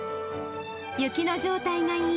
雪の状態がいい